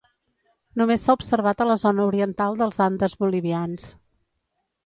Només s'ha observat a la zona oriental dels Andes bolivians.